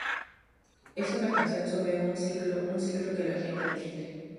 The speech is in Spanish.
Es una canción sobre un ciclo, un ciclo que la gente entiende.